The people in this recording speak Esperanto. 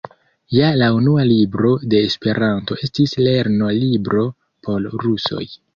Ja la unua libro de Esperanto estis lerno-libro por rusoj.